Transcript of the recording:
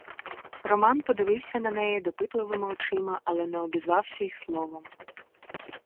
Роман подивився на неї допитливими очима, але не обізвався й словом.